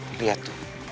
ma lihat tuh